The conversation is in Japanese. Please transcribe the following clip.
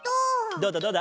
どうだどうだ？